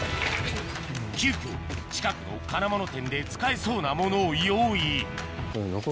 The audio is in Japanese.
急きょ近くの金物店で使えそうなものを用意